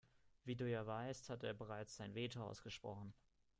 Wie du ja weißt, hat er bereits sein Veto ausgesprochen.